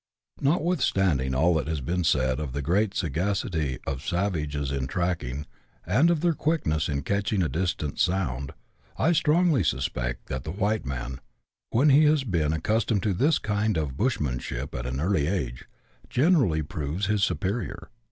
Notwithstanding all that has bet>n siiid of the gretit siigaeiiy of savages in tracking, and of their quickness in catching a distant sound, I strongly suspect that the white man, when he has been accustometl to this kind of "• buslunanship " at an early age, generally proves his sujwrior.